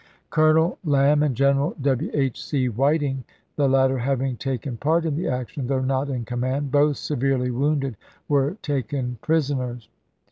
Colonel Lamb and General W. H. C. Whiting, the latter having taken part in ibid, the action, though not in command, both severely wounded, were taken prisoners.